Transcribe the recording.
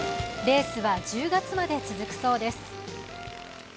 レースは１０月まで続くそうです。